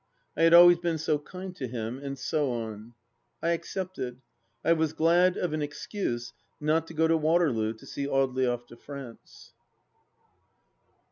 I had always been so jcind to him ... and so on. ... I accepted. I was glad of an excuse not to go to Waterloo to see Audely off to France.